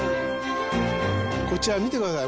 こちら見てください。